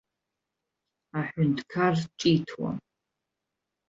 Аҳәынҭнҿқар ҿиҭуам.